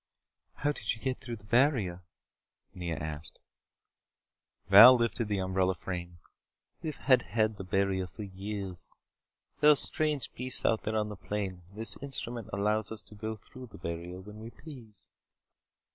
"How did you get through the barrier?" Nea asked. Val lifted the umbrella frame. "We have had the barrier for years. There are strange beasts out there on the plain. This instrument allows us to go through the barrier when we please."